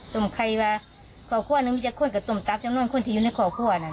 ต้มไข่วน้ำจะโครงเปลี่ยนกับต้มตับจำนวนคนที่อยู่ในหัวโครง